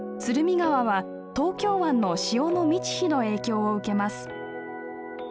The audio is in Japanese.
川は東京湾の潮の満ち干の影響を受けます。